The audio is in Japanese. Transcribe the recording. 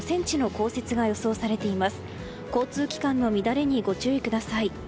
交通機関の乱れにご注意ください。